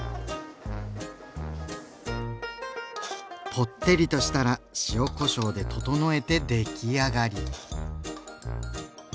ぽってりとしたら塩・こしょうで調えて出来上がり。